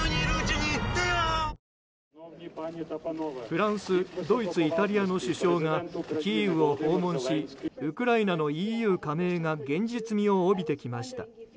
フランス、ドイツ、イタリアの首相がキーウを訪問しウクライナのＥＵ加盟が現実味を帯びてきました。